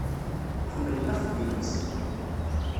Ḥemmlen axeddim-nsen.